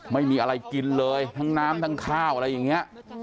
ไม่มีอะไรกินเลยทั้งน้ำทั้งข้าวอะไรอย่างนี้